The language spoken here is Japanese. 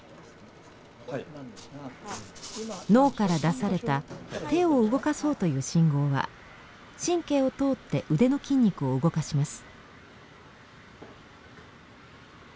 脳から出された「手を動かそう」という信号は神経を通って腕の筋肉を動かします。